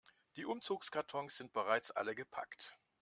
Die Umzugskartons sind bereits alle gepackt.